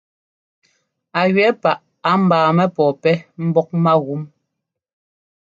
Á jʉɛ̌ paʼ á ḿbáamɛ́ pɔ̂pɛ́ mbɔ́k mágúm.